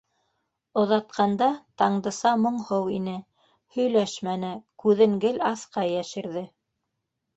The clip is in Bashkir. Оҙатҡанда Таңдыса моңһоу ине. һөйләшмәне, күҙен гел аҫҡа йәшерҙе.